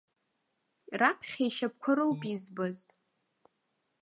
Раԥхьа ишьапқәа роуп избаз.